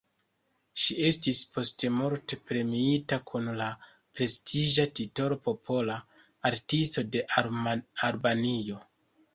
Ŝi estis postmorte premiita kun la prestiĝa titolo Popola Artisto de Albanio.